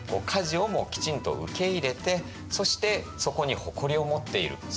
火事をもきちんと受け入れてそしてそこに誇りを持っている。